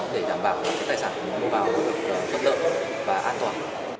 để đảm bảo cái tài sản mua bán được tốt tượng và an toàn